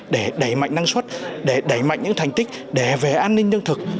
để đẩy mạnh năng suất để đẩy mạnh những thành tích để về an ninh lương thực